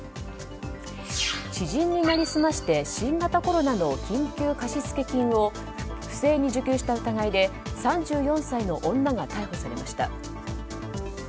知人に成り済まして新型コロナの緊急貸付金を不正に受給した疑いで３４歳の女が逮捕されました。